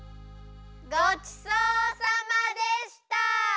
ごちそうさまでした！